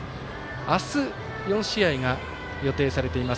明日４試合が予定されています。